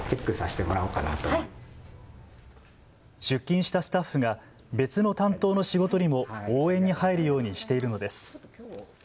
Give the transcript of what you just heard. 出勤したスタッフが別の担当の仕事にも応援に入るようにしているのです。